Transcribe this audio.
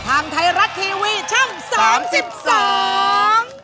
ทางไทยรัฐทีวีช่องสามสิบสอง